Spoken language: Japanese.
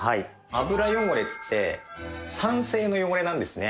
油汚れって酸性の汚れなんですね。